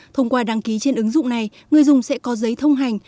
thông qua đăng ký trên ứng dụng này người dùng sẽ có giấy thông hành